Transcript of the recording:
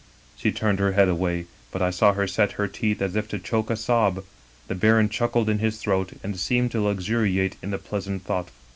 " She turned her head away, but I saw her set her teeth as if to choke a sob. The baron chuckled in his throat and seemed to luxuriate in the pleasant thought.